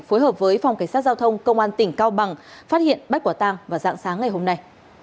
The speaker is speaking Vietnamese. phối hợp với phòng cảnh sát giao thông công an tỉnh cao bằng phát hiện bắt quả tang và dạng sáng ngày hôm nay